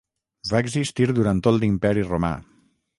Va existir durant tot l'Imperi romà.